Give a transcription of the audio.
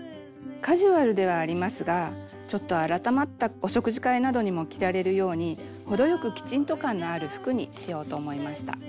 カジュアルではありますがちょっと改まったお食事会などにも着られるように程よくきちんと感のある服にしようと思いました。